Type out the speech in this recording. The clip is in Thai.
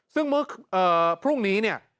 ซึ่งพรุ่งนี้เนี่ย